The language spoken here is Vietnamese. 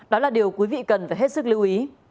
đó là điều quý vị cần phải hết sức lưu ý